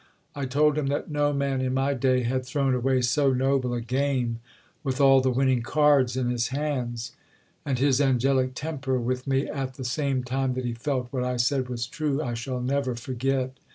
I told him that no man in my day had thrown away so noble a game with all the winning cards in his hands. And his angelic temper with me, at the same time that he felt what I said was true, I shall never forget.